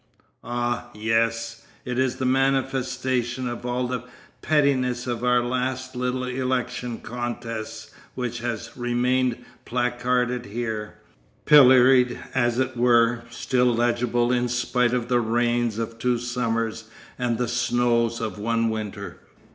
Ah yes, it is a manifestation of all the pettiness of our last little election contests which has remained placarded here, pilloried as it were, still legible in spite of the rains of two summers and the snows of one winter.